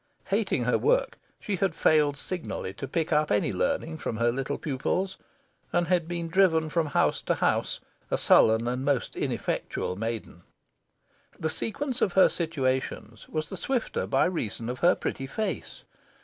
Hating her work, she had failed signally to pick up any learning from her little pupils, and had been driven from house to house, a sullen and most ineffectual maiden. The sequence of her situations was the swifter by reason of her pretty face.